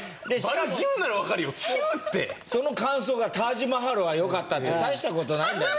その感想が「タージマハルはよかった」って大した事ないんだけど。